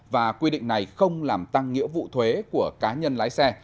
và quy định này không làm tăng nghĩa vụ thuế của cá nhân lái xe